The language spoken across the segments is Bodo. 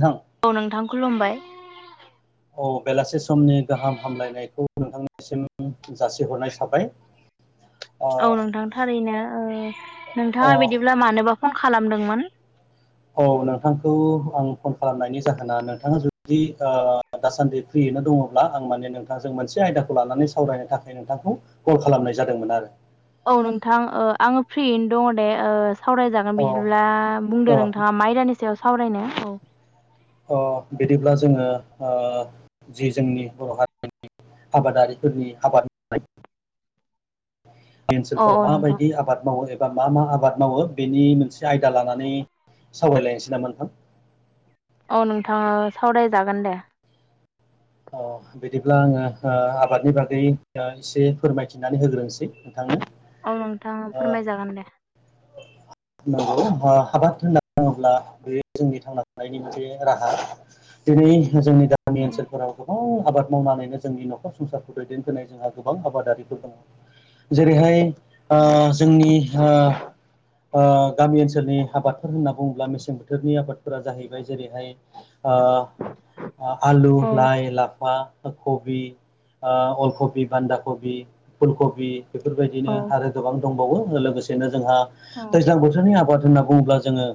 नोंथां औ नोंथां खुलुमबाय। औ बेलासे समनि गाहाम हामलायनायखौ नोंथांनिसिम जासिहरनाय थाबाय। [inaudible] औ नोंथां थारैनो ओ अ नोंथाङा बिदिब्ला मानोबा फन खालामदोंमोन? औ नोंथांखौ आं फन खालामनायनि जाहोना नोंथाङा जुदि ओ दासान्दि फ्रि यैनो दङब्ला आं माने नोंथांजों मोनसे आयदाखौ लानानै सावरायनो थाखाय नोंथांखौ कल खालामनाय जादोंमोन आरो। औ नोंथां ओ आङो फ्रियैनो दङ दे ओ सावरायजागोन अ बिदिब्ला बुंदो अ नोंथाङा माइरानि सायाव सावरायनो औ। ओ बिदिब्ला जोङो ओ जि जोंनि बर' हारिनि आबादारिफोरनि आबाद मावनाय ओनसोलफोराव औ नोंथां माबायदि आबाद मावो ए बा मा मा आबाद मावो बेनि मोनसे आयदा लानानै सावरायलायनोसै नामा नोंथां। अ नोंथां ओ सावरायजागोन दे। अ बिदिब्ला आङो ओ आबादनि बागै ओ एसे फोरमायथिनानै होग्रोनोसै नोंथांनो। औ नोंथां ओ फोरमायजागोन दे‌। आबाद बुङोब्ला बे जोंनि थांना थानायनि मोनसे राहा दिनै जोंनि गामि ओनसोलफोराव गोबां आबाद मावनानैनो जोंनि न'खर संसारखौ दैदेनबोनाय जोंहा गोबां आबादारिफोर दङ। जेरैहाय ओ औ जोंनि ओ ओ गामि ओनसोलनि आबादफोर होनना बुङोब्ला मेसें बोथोरनि आबादफोरा जाहैबाय जेरैहाय आ आलु, औ लाइ-लाफा कबि ओ अलखबि, बान्दा कबि, फुलकबि औ बेफोरबायदिनो आरो गोबां दंबावो लोगोसेनो जोंहा दैज्लां बोथोरनि आबाद होनना बुङोब्ला जोङो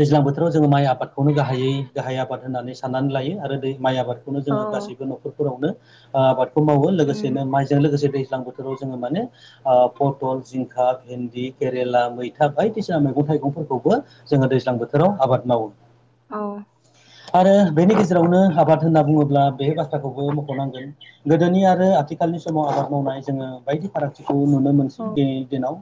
दैज्लां बोथोराव जोङो माइ आबादखौनो गाहायै गाहाय आबाद होननानै साननानै लायो आरो दै माइ आबादखौनो औ जोङो गासैबो न'खरफोरावनो आबादखौ मावो उम लोगोसेनो माइजों लोगोसे दै दैज्लां बोथोराव जोङो मोनो ओ पथल, जिंखा, भेन्दि, केरेला, मैथा बायदिसिना मैगं थाइगंफोरखौबो जोङो दैज्लां बोथोराव आबाद मावो। औ आरो बेनि गेजेरावनो आबाद होनना बुङोब्ला बे बाथ्राखौबो मख'नांगोन गोदोनि आरो आथिखालनि समाव आ बाद मावनाय जोङो बायदि फारागथिखौ नुनो मोनसै औ दिनैनि दिनाव।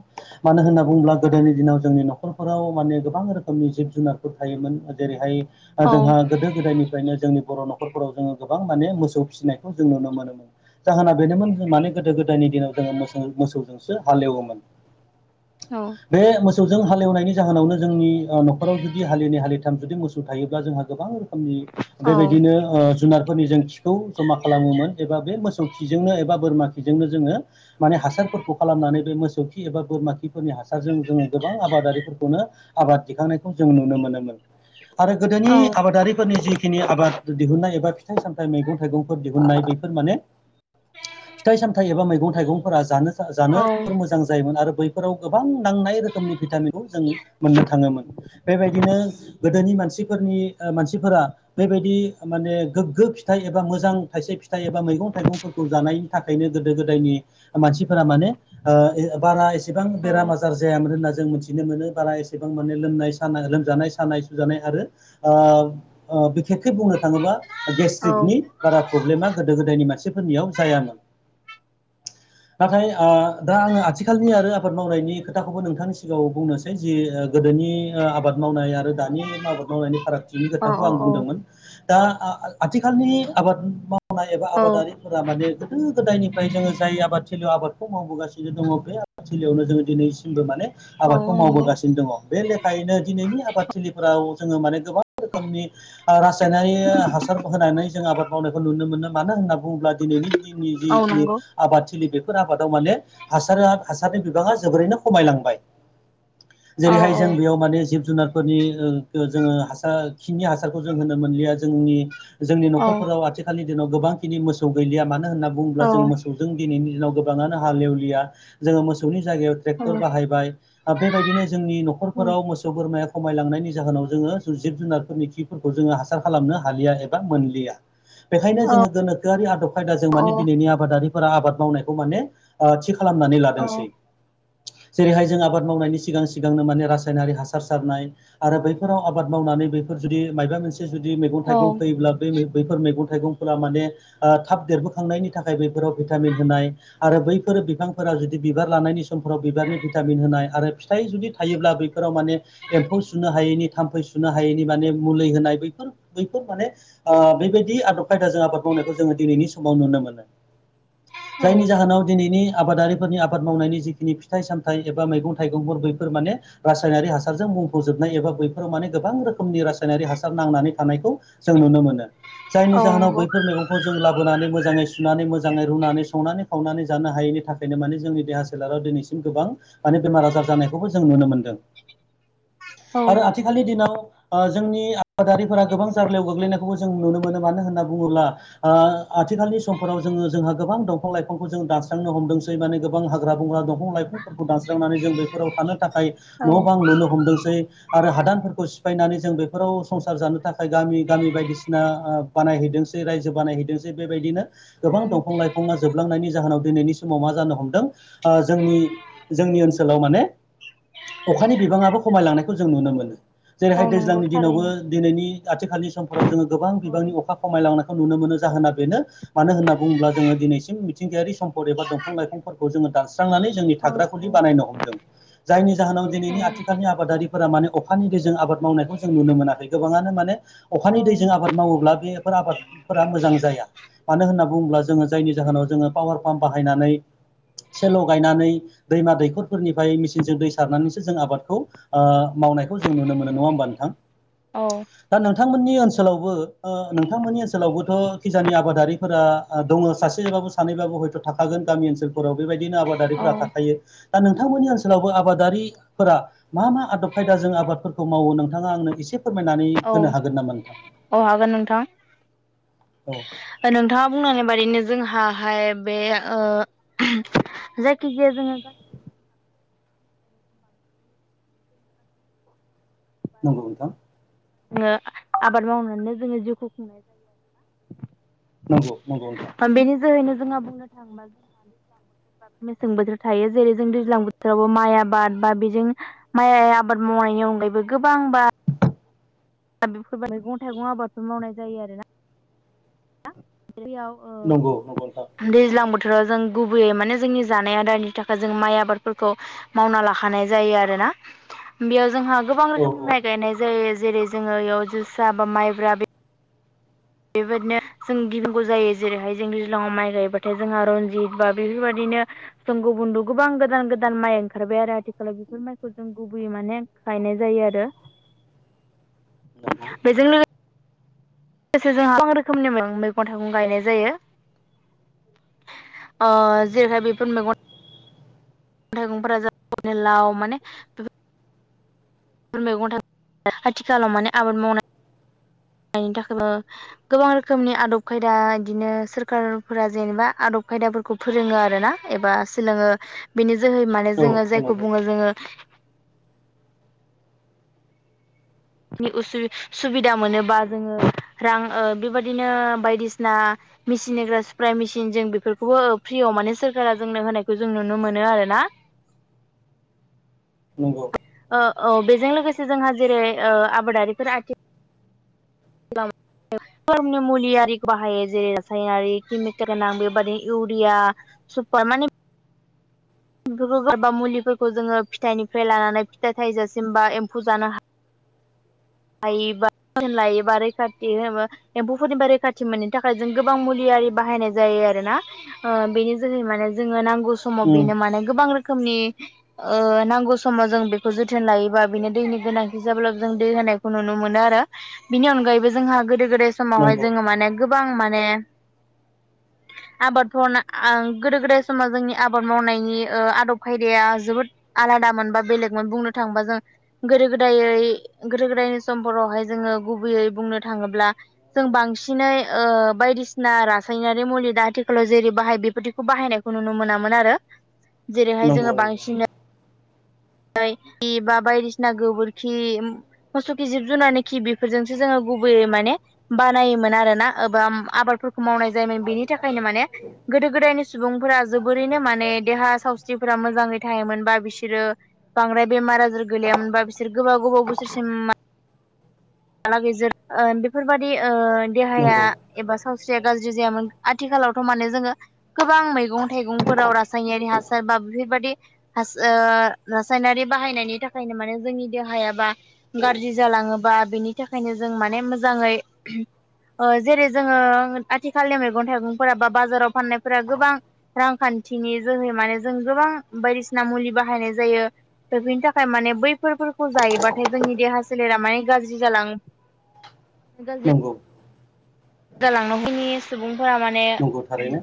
मानो होनना बुङोब्ला गोदोनि दिनाव जोंनि नखरफोराव माने गोबां रोखोमनि जिब जुनार फोर थायोमोन जेरैहाय ओ औ जोंहा गोदो गोदायनिफ्रायनो जोंनि बर' न'खरफोराव जोङो गोबां माने मोसौ फिसिनायखौ जों नुनो मोनोमोन जाहोना बेनोमोन जों माने गोदो गोदायनि दिनाव जोङो मोसौ-मोसौजों सो हालएवोमोन औ बे मो सौजों हालेवनायनि जाहोनावनो जोंनि ओ न'खराव जुदि हालिनै हालिथाम जुदि मोसौ थायोब्ला जोंहा गोबां रोखो मनि औ बेबायदिनो ओ जुनारफोरनि जों खि खौ जमा खालामोमोन एबा बे मोसौ खिजोंनो एबा बोरमा खिजोंनो जोङो माने हासारफोरखौ खालाम नानै बे मोसौ खि एबा बोरमा खि फोरनि हासारजों जोङो गोबां आबादारिफोरखौनो आबाद दिखांनायखौ जों नुनो मोनोमोन। आरो गोदोनि औ आबादारिफोरनि जि खिनि आबाद दिहुननाय एबा फिथाइ सामथाइ मैगं थाइगंफोर दिहुननाय बेफोर माने फिथाइ सामथाइ एबा मैगं थाइगंफोरा औ जानो-जानो जोबोर मोजां जायोमोन आरो बेफोराव गोबां नांनाय रोखोमनि भिटामिनखौ जों मोननो थाङोमोन बेबायदिनो गोदोनि मानसिफोरनि ओ मानसिफोरा बेबायदि माने गोग्गो फिथाइ एबा मोजां थाइसे फिथाइ एबा मैगं थाइगंफोर खौ जानायनि थाखायनो गोदो गोदायनि मानसिफोरा माने ओ बारा एसेबां बेराम आजार जायामोन होनना जों मिथिनो मोनो बारा एसेबां माने लोंनाय सानाय लोमजानाय सानाय सुजानाय आरो ओ ओ बे खोब बुंनो थाङोबा गेस्ट्रिकनि बारा प्रब्लेमा गोदो गोदायनि मानसिफोरनियाव जायामोन। नाथाय ओ दा आङो आथिखालनि आरो आबाद मावनायनि खोथाखौबो नोंथांनि सिगाङाव बुंनोसै जे गोदोनि ओ आबाद मावनाय आरो दानि आबाद मावनायनि फारागथिनि औ खोथाखौ आं औ बुंदोंमोन। दा आ-आथिखालनि आबाद मावनाय एबा औ आबादारिफोरा माने गोदो गोदायनिफ्राय जोङो जाय आबाद थिलि'आव आबाद खौ मावबोगासिनो दङ बे आबाद थिलियावनो जोङो दिनैसिमबो माने औ आबादखौ नंगौ मावबोगासिनो दङ बे लेखायैनो दिनैनि आबाद थिलिफ्राव जोङो माने गोबां रोखोमनि ओ रासायनारि हासार होनानै जों आबाद मावनायखौ नुनो मोनदों। मानो होनना बुङोब्ला दिनैनि दिननि औ जिखिनि नंगौ आबाद थिलि बेफोर आबादाव माने हासारा हासारनि बिबाङा जोबोरैनो खमायलांबाय औ जेरैहाय औ जों बेयाव माने जिब जुनारफोरनि ओ जोङो हासार खिनि हासारखौ जों होनो मोनलिया जोंनि जोंनि औ न'खरफोराव आथिखालनि दिनाव गोबांखिनि मोसौ गैलिया मानो होनना औ बुङोब्ला जों मोसौजों दिनैनि दिनाव गोबाङानो हालेवलिया जोङो मोसौनि जायगायाव औ ट्रेक्टर बाहायबाय बेबायदिनो जोंनि औ न'खरफोराव मोसौ बोरमाया खमायलांनायनि जाहोनाव जोङो जिब जुनारफोरनि खिफोरखौ जोङो हासार खालामनो हालिया एबा मोनलिया। बेखायनो औ जोङो गोनोखोआरि आदब खायदाजों माने दिनैनि आबादारिफोरा आबाद मावनायखौ माने ओ थि खालामनानै लादोंसै। जेरैहाय जों आबाद मावनायनि सिगां सिगांनो माने रासायनारि हासार सारनाय आरो बैफोराव आबाद मावनानै बेफोर जुदि मायबा मोनसे जुदि मैगं औ थाइगं फोयोब्ला बैफोर मैगं थाइगंफोरा माने ओ थाब देरबोखांनायनि थाखाय बैफोराव भिटामिन होनाय आरो बैफोर बिफांफोरा जुदि बिबार लानायनि समफ्राव बिबारनि भिटामिन होनाय आरो फिथाइ जुदि थायोब्ला बै फोराव माने एम्फौ सुनो हायैनि थाम्फै सुनो हायैनि माने मुलि होनाय बैफोर बैफोर माने ओ बेबायदि आदब खायदाजों आबाद मावनायखौ जों दिनिनि समाव नुनो मोनो जायनि जाहोनाव दिनैनि आबादारि फोरनि आबाद मावनायनि जिखिनि फिथाइ सामथाइ एबा मैगं थाइगंफोर बैफोर माने रासायनारि हासारजों मुंफबजोब नाय एबा बैफोराव माने गोबां रोखोमनि रासायनारि हासार नांनानै थानायखौ जों नुनो मोनो। जायनि औ जाहोनाव नंगौ बैफोर मैगंखौ जों लाबोनानै मोजाङै सुनानै मोजाङै रुनानै संनानै खावनानै जानो हायैनि थाखायनो माने जोंनि देहा सोलेराव दिनैसिम गोबां माने बेमार आजार जानायखौबो जों नुनो मोनो औ आरो आथिखालनि दिनाव जोंनि आबादारिफोरा गोबां जार्लायाव गोग्लैनायखौबो जों नुनो मोनो मानो होनना बुङोब्ला आथिखालनि समफोराव जोङो जोंहा गोबां दंफां लाइफांखौ जों दानस्रांनो हमदों माने गोबां हाग्रा बंग्रा दंफां लाइफां दानस्रांनानै जों बेफोराव थानो थाखाय औ न' बां लुनो हमदोंसै आरो हादानफोरखौ सिफायनानै जों बेफोराव संसार जानो थाखाय गामि गामि बायदिसिना बानायहैदोंसै रायजो बानायहैदोंसै बेबायदिनो गोबां उम दंफां लाइफाङा जोबलांनायनि जाहोनाव दिनैनि समाव मा जानो हमदों जोंनि जोंनि ओनसोलाव माने अखानि बिबांआबो खमायलांनायखौ जों नुनो मोनो औ जेरैहाय नंगौ दैज्लांनि दिनावबो थारैनो दिनैनि आथिखालनि समफोराव जोङो गोबां औ बिबांनि अखा खमायलांनो हायो नुनो मोनो जाहोना बेनो मानो होनना बुङोब्ला जोङो दिनैसिम मिथिंगायारि सम्पद एबा दं दंफां लाइफांफोरखौ जो दानस्रि जोंनि औ थाग्रा खुलि बानायनो हमदों जायनि जाहोनाव औ दिनैनि आथिखालनि आबादारिखौ फोरा माने अखानि दैजों आबाद मावनायखौ जों नुनो मोनाखै गोबाङानो माने अखानि दैजों आबाद मावोब्ला बेफोर आबादफोरा मोजां जाया मानो होनना बुंब्ला बुङोब्ला जोङो जायनि जाहोनाव जोङो पावार पाम्प बाहायनानै सेल' गायनानै दैमा दैखरफोरनिफ्राय मेचिनजों दै सारनानैसो जों आबादखौ मावनायखौ जों नुनो मोनो नङा होमबा नोंथां औ दा नोंथां नोंथांमोननि ओनसोलावबो नोंथांमोननि ओनसोलावबोथ' खिजानि आबादारिफोरा दङ सासे एबा सानैबाबो हयथ' थाखागोन गामि ओनसोलफोराव बेबायदिनो औ आबादारिफोरा थाखायो। दा नोंथांमोननि ओनसोलावबो आबादारिफोरा मा मा आदब खायदाजों आबादफोरखौ मावो नोंथाङा आंनो एसे फोरमायनानै होनो हागोन नामा नोंथां? औ हागोन नोंथां औ नोंथाङा बुंलांनाय बायदि नो जोंहा हाय बे जायखिजाया जोङो [inaudible] नंगौ नोंथां। जोङो आबाद मावनानैनो जोङो जिउखौ खुंनाय जायो आरोना। नंगौ नंगौ नोंथां। जों बुंनो थाङोबा जों मेसें बोथोर थायो जेरै जों दैज्लां बोथोरावबो माइ आबाद बा बेजों माइ आबाद माव मावनायनि अनगायैबो गोबांबा दा बेफोर बायदि मैगं-थाइगं आबादफोर मावनाय जायो आरोना। [inaudible] नंगौ नंगौ नोंथां दैयाव दैज्लां बोथोराव जों गुबैयै माने जोंनि जानाय आदारनि थाखाय जों माइ आबादफोरखौ मावना लाखानाय जायो आरोना। ना बेयाव जोंहा गोबां औ रोखोमनि औ माइ गायनाय जायो जेरै जोङो बेयाव जोसा बा माइब्रा बे बेबायदिनो जों गिबिांगौ जायो। जेरैहाय जों दैज्लाङाव माइ गायबाथाय जोंहा रनजित बा बेफोरबायदि नो जों गुबन्द' गोबां गोदान गोदान माइ ओंखारबाय आरो। आथिखालाव बेफोर माइखौ जों गुबैयै माने गायनाय जायो आरो। [inaudible] दङ। बेजों लोगोसे जों गोबां रोखोमनि मैगं थाइगं गायनाय जायो। ओ जेरैहाय बेफोर मैगं थाइगंफोरा लाव माने बेफोर मैगं थाइगं आथिखालाव माने आबाद मावनाय [inaudible] थाखाय गोबां रोखोमनि आदब खायदा बिदिनो सोरखारफोरा जेनेबा आदब खायदा फोरोङो आरोना एबा सोलोङो बेनि जोहै माने जोङो औ जायखौ नंगौ बुङो जोङो उसु-सुबिदा मोनोबा जोङो रां ओ बेबदिनो बायदिसिना मेचिन होग्रा स्प्राय मेसिन जों बेफोरखौबो फ्रियाव माने सोरखारा जोंनो होनायखौ जों नुनो मोनो आरो ना। [inaudible] नंगौ। ओ औ बेजों लोगोसे जोंहा जेरै आबादारिफोर आथि [unintelligible] धोरोमनि मुलि आरिखौ बाहायो जेरै रासायनारि केमिकेल गोनां बेबादिनो इउरिया सुपार मानि गोबा गोबां मुलिफोरखौ जोङो फिथाइनिफ्राय लानानै फिथाइ थाइजासिम बा एम्फौ जानो हायो [inaudible] लायोबा लायोबा रैखाथि एम्फौफोरनिबा रैखाथि मोननि थाखाय जों गोबां मुलिया बाहायनाय जायो आरोना। ओ बेनि जोहै माने जोङो नांगौ गौ समाव उम बेनो माने गोबां रोखोमनि ओ नांगौ समाव जों बेखौ जोथोन लायोबा बिनो दैनि गोनांथि जाब्लाबो जों दै होनाय खौ नुनो मोनो आरो। बिनि अनगायैबो जोंहा गोदो गोदाय समावहाय नंगौ जोङो माने गोबां माने माने [inaudible] आबादफोर गोदो गोदाय समाव जोंनि आबाद मावनायनि ओ आदब खायदाया जोबोद आदामोन बा बेलेगमोन बुंनो थाङोबा जों गोदो गोदायै गोदो गोदाय समफोरावहाय जोङो गुबैयै बुंनो थाङोब्ला जों बांसिनै बायदिसिना रासायनारि मुलि दा आथिखालाव जेरै बाहाय बेफोरदिखौ बाहायनायखौ नुनो मोनामोन आरो। [inaudible] जेरैहाय नंगौ जोङो नंगौ बांसिन खि बा बायदिसिना गोबोरखि मोसौ खि जिब जुनारनि खि बेफोरजोंसो जोङो गुबैयै माने बानायोमोन आरोना एबा आबादफोरखौ मावनाय जायोमोन बेनि थाखायनो माने गोदो गोदायनि सुबुंफोरा जोबोरैनो माने देहा सावस्रिफोरा मोजाङै थायोमोनबा बिसोरो बांद्राय बेमार आजार गोलैयामोनबा बिसोर गोबाव गोबाव बोसोरसिम बालागेजेर ओ बेफोरबायाददि ओ देहाया नंगौ एबा सावस्रि गाज्रि जायामोन आथिखालावथ' माने जोङो गोबां मैगं थाइगंफोराव रासायनारि हासार बाब बेफोरबायदि ओ रासायनारि बाहायनायनि थाखायनो माने जोंनि देहायाबा गाज्रि जालाङोबा बिनि थाखायनो जों माने मोजाङै ओ जेरै जोङो आथिखालनि मैगं थाइगंफोरा बा बाजाराव फाननायफोरा गोबां रांखान्थि नि जोहै माने जों गोबां बायदिसिना मुलि बाहायनाय जायो। दा बेनि थाखाय माने बैफोरखौ जायोबाथाय जोंनि देहा सोलेरा माने गाज्रि जालां नंगौ। जालांनोखैनि सुबुंफोरा माने नंगौ थारैनो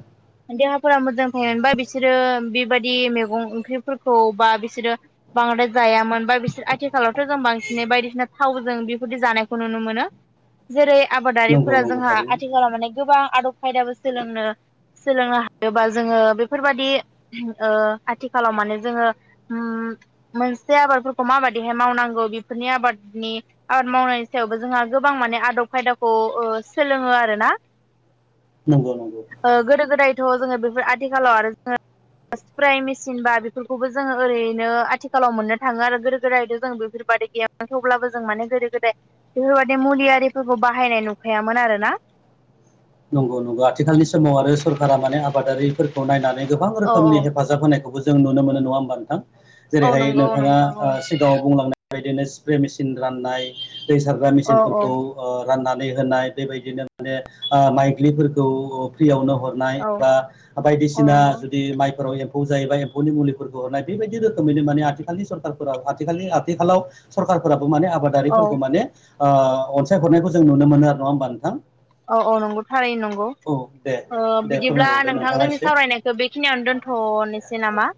देहा मोजांयोनबा बिसोरो बेबायदि मैगं ओंख्रिफोरखौ बा बिसोरो बांद्राय जा जायामोन बा बिसोर आथिखालावथ' जों बांसिनै बायदिसिना थावजों बेफोरदि जानायखौ नुनो मोनो। जेरै नंगौ आबादारिफोरा नंगौ जोंहा थारैनो आथिखालाव माने गोबां आदब खायदाबो सोलोंनो सोलोंनो हायोबा जोङो बेफोरबायदि ओ आथिखालाव माने जोङो मोनसे आबादफोरखौ माबायदिहाय मावनांगौ बेफोरनि आबादनि आबाद मावनायनि सायावबो जोंहा गोबां माने आदब खायदाखौ ओ सोलोङो आरोना। नंगौ नंगौ। थ' जोङो बेफोर आथिखालाव आरो जोङो एस्प्राय मेचिन बा बेफोरखौबो जोङो ओरैनो आथिखालाव मोननो थाङो आरो गोदो गोदायद जों बेफोरखौ गैयामोन थेवब्लाबो जों माने गोदो गोदाय बेफोरबायदि मुलियारिफोरखौ बाहायनाय नुखायामोन आरोना। नंगौ नंगौ आथिखालनि समाव आरो सरकारा माने आबादारिफोरखौ नायनानै गोबां औ औ रोखोमनि हेफाजाब होनायखौबो जों नुनो मोनो नङा होमबा नोंथां। औ जेरैहाय नंगौ औ नोंथाङा नोंथां औ ओ सिगाङाव बुंलांनाय बदिनो स्प्रे मेचन राननाय दै सारग्रा औ औ मेसिनफोरखौ ओ राननानै होनाय बेबायदिनो माने माइग्लिफोरखौ फ्रियावनो हरनाय औ बा औ बायदिसिना नंगौ जुदि माइफोराव खौ जायोबा एम्फौनि मुलिफोरखौ हरनाय बेबायदि रोखोमैनो माने आथिखालनि सरखार आालनि आथिखालाव सरखारफोरा माने औ आबादारिफोरखौ माने ओ अनसायहरनायखौ जों नुनो मोनो आरो नङा होमबा नोंथां। औ औ नंगौ थारैनो नंगौ। औ दे ओ दे बिदिब्ला फोरमायबावदो नोंथां नोंथाङा जोंनि एसे सावरायनायखौ बेखिनियावनो दोन्थ'नोसै नामा?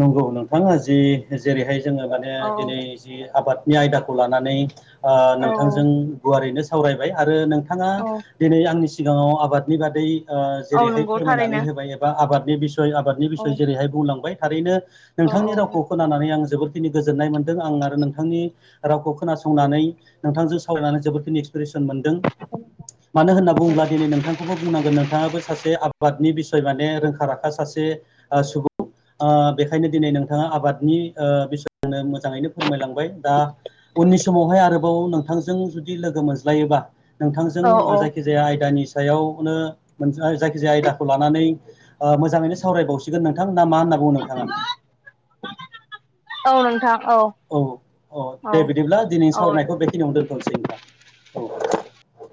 नंगौ नोंथाङा जि जेरैहाय जोङो माने औ दिनै जि आबाद नि आयदाखौ लानानै ओ औ नोंथांजों गुवारैनो सावरायबाय आरो नों बिथाङा औ दिनै आंनि सिगाङाव आबादनि बादै ओ औ जेरैहाय नंगौ थारैनो फोरमायनानै होबाय एबा आबाद नि बिसय आबादनि औ बिसय जेरैहाय बुंलांबाय थारैनो औ नोंथांनि रावखौ खोनानानै आं जोबोरखिनि गोजोननाय मोनदों आं आरो नोंथांनि रावखौ खोनासंनानै नोंथांजों सावरायनानै जोबोरखिनि एक्सपिरियेन्स मोनदों मानो होनना बुङोब्ला दिनै नोंथांखौबो बुंनांगोन नोंथाङाबो सासे आबादनि बिस निफाय माने रोंखा राखा सासे सुबुं। ओ बेखायनो दिनै नोंथाङा आबादनि ओ बिसनो मोजाङैनो फोरमायलां बाय दा उननि समावहाय आरोबाव नोंथांजों जुदि लोगो मोनज्लायोबा नोंथांजों औ औ जायखिजाया आयदानि सायावनो नोंथाङा जायखिजाया आयदाखौ लानानै मोजाङैनो सावरायबावसिगोन नोंथांमोना मान नोंथांङा। औ नोंथां। औ औ दे बिदिब्ला दिनै औ दे सावरायनायखौ बेखिनियावनो दोनथ'नोसै नोंथां। औ।